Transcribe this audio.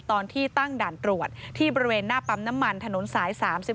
ตอนที่ตั้งด่านตรวจที่บริเวณหน้าปั๊มน้ำมันถนนสาย๓๔